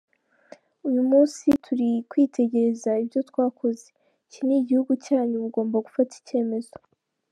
Uyu munsi turi kwitegereza ibyo twakoze, iki ni igihugu cyanyu mugomba gufata icyemezo.